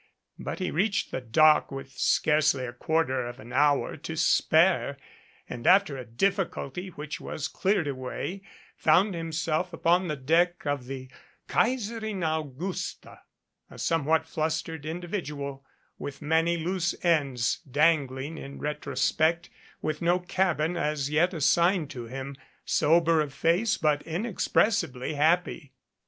But he reached the dock with scarcely a quarter of an hour 325 to spare, and after a difficulty which was cleared away, found himself upon the deck of 'the Kaiserin Augusta, a somewhat flustered individual, with many loose ends dan gling in retrospect, with no cabin as yet assigned to him, sober of face but inexpressibly happy.